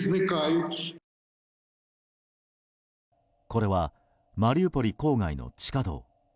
これはマリウポリ郊外の地下道。